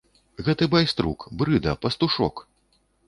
Гэты байструк, брыда, пастушок!